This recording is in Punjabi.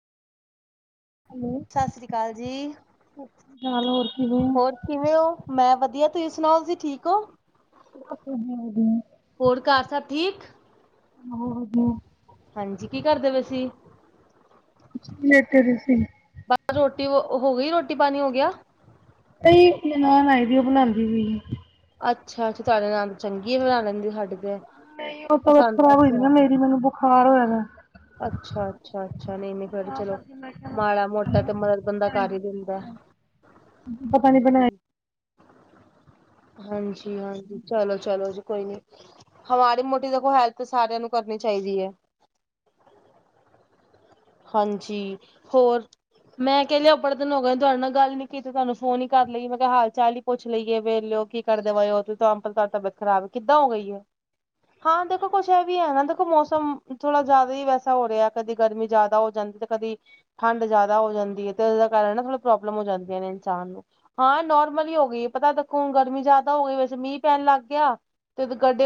ਹੈਲੋ ਸਤਿ ਸਾਸ੍ਰੀ ਕਾਲ ਜੀ, ਸ਼੍ਰੀ ਅਕਾਲ ਹੋਰ ਕਿਵੇਂ ਹੋ? ਹੋਰ? ਕਿਵੇਂ ਓ, ਮੈਂ ਵਦੀਆ ਤੁਸੀਂ ਸੁਨਾਓ ਤੂਸੀ ਠੀਕ ਓ? [unintelligible] ਹੋਰ ਘਾਰ ਸਾਬ ਠੀਕ? ਬੋਤ ਵਦੀਆ। ਹਾਂਜੀ ਕੀ ਕਰਦੇ ਪੇ ਸੀ। ਕੁਛ ਨੀ ਲੇਟੇ ਦੇ ਸੀ। ਬ ਰੋਟੀ ਵੋ ਹੋ ਗਈ ਰੋਟੀ ਪਾਨੀ ਹੋ ਗੇਆ? ਏਈ ਨਨਾਣ ਆਈ ਦੀ ਓ ਬਣਾਂਦੀ ਪਈ ਹੀ। ਅੱਛਾ- ਅੱਛਾ, ਤਾਡੀ ਨਨਾਨ ਚੰਗੀ ਐ ਬਨਾ ਲੈਂਦੀ, ਸਾਡੀ ਤੇ ਓ ਤਬੀਅਤ ਅੱਛਾ ਖਰਾਬ ਹੋਈ ਦੀ ਨਾ ਮੇਰੀ, ਮੈਨੂੰ ਬੁਖਾਰ ਹੋਏਆ ਦਾ। ਅੱਛਾ- ਅੱਛਾ, ਅੱਛਾ ਨਈਂ-ਨਈਂ ਫੇਰ ਤਾਂ ਚਲੋ ਕਰਕੇ ਮੈਂ ਕਿਹਾ ਮਾੜਾ ਮੋਟਾ ਤੇ ਮਦਦ ਬੰਦਾ ਕਰ ਈ ਦੇਂਦਾ। ਪਤਾ ਨੀ ਬਨਾਏਆ ਹਾਂਜੀ -ਹਾਂਜੀ, ਚਲੋ- ਚਲੋ ਜੀ, ਕੋਈ ਨੀ ਹਾਂ, ਮਾੜੀ ਮੋਟੀ ਦੇਖੋ ਹੈਲਪ ਸਾਰੇਆਂ ਨੂੰ ਕਰਨੀ ਚਾਈਦੀ ਐ। [inaudible] ਹਾਂਜੀ, ਹੋਰ? ਮੈਂ ਕੇ ਲੇਆ ਬੜੇ ਦਿਨ ਹੋ ਗਏ, ਤੁਆਡੇ ਨਾਲ ਗੱਲ ਨੀਂ ਕੀਤੀ, ਤੁਆਨੂੰ ਫੋਨ ਈ ਕਰ ਲਈਏ ਮੈਂ ਕੇਆ ਹਾਲ -ਚਾਲ ਈ ਪੁੱਛ ਲਈਏ, ਵੇਲੇ ਓ ਕੀ ਕਰਦੇ ਪਏ ਓ, [unintelligible] ਤਬੀਅਤ ਖਰਾਬ ਕਿੱਦਾਂ ਹੋ ਗਈ ਐ? ਹਾਂ, ਦੇਖੋ ਕੁਛ ਵੀ ਐ ਨਾ ਦੇਖੋ ਮੌਸਮ ਥੋੜਾ ਜਾਦਾ ਈ ਵੈਸਾ ਹੋ ਰੇਆ ਕਦੀ ਗਰਮੀ ਜਾਦਾ ਹੋ ਜਾਂਦੀ, ਤੇ ਕਦੀ ਠੰਡ ਜਾਦਾ ਹੋ ਜਾਂਦੀ ਐ ਤੇ ਉਸਦਾ ਕਾਰਨ ਨਾ ਥੋੜੀ ਪ੍ਰੋਬਲਮ ਹੋ ਜਾਂਦੀਆਂ ਨੇ, ਇਨਸਾਨ ਨੂੰ। ਹਾਂ, ਨੋਰਮਲ ਈ ਹੋ ਗਈ ਐ ਪਤਾ ਦੇਖੋ ਹੁਨ ਗਰਮੀ ਜਾਦਾ ਹੋ ਗਈ, ਵੈਸੇ ਮੀਂ ਪੈਣ ਲੱਗ ਗੇਆ ਤੇ ਗੱਡੇ